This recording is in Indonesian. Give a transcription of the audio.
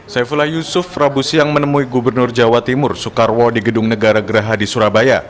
saifullah yusuf rabu siang menemui gubernur jawa timur soekarwo di gedung negara geraha di surabaya